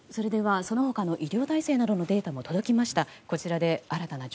その他の医療体制などのデータも届きました。